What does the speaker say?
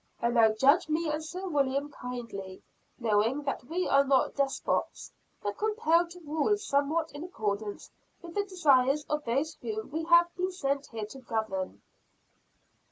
And now judge me and Sir William kindly; knowing that we are not despots, but compelled to rule somewhat in accordance with the desires of those whom we have been sent here to govern."